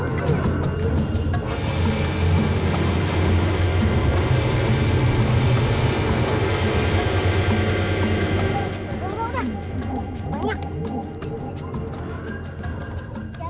iya jangan lupa